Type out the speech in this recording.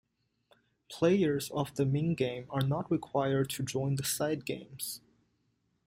Players of the main game are not required to join the side games.